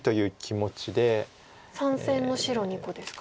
３線の白２個ですか。